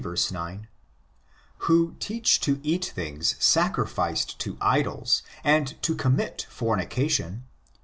9); who teach to eat things sacrificed to idols and to commit fornication (ii.